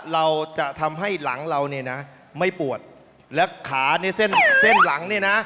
เราจะทำให้หลังเราเนี่ยนะไม่ปวดและขาในเส้นเส้นหลังเนี่ยนะ